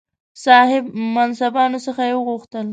صاحب منصبانو څخه یې وغوښتل.